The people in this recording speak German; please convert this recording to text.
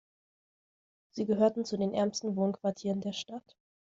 Sie gehörten zu den ärmsten Wohnquartieren der Stadt.